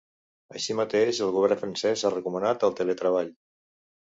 Així mateix, el govern francès ha recomanat el teletreball.